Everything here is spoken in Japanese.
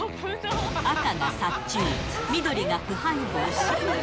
赤が殺虫、緑が腐敗防止。